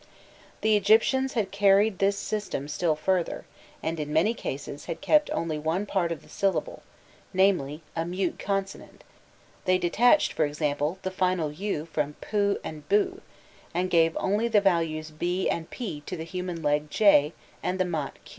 The Egyptians had carried this system still further, and in many cases had kept only one part of the syllable, namely, a mute consonant: they detached, for example, the final u from pu and bu, and gave only the values b and p to the human leg J and the mat Q.